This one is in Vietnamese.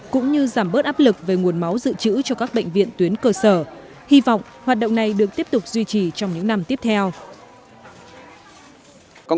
cũng như giảm bớt áp lực về nguồn máu dự trữ cho các bệnh viện tuyến cơ sở hy vọng hoạt động này được tiếp tục duy trì trong những năm tiếp theo